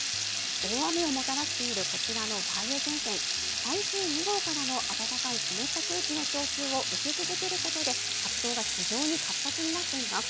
大雨をもたらしているこちらの梅雨前線、台風２号からの暖かい湿った空気の供給を受け続けることで活動が非常に活発になっています。